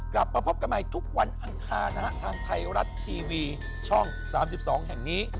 กลับมาพบกันใหม่ทุกวันอังคารนะฮะทางไทยรัฐทีวีช่อง๓๒แห่งนี้